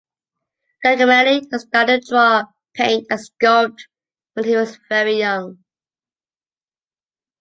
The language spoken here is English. Giacometti started to draw, paint and sculpt when he was very young.